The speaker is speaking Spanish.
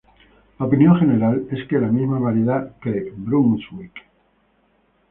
La opinión general es que es la misma variedad que 'Brunswick'.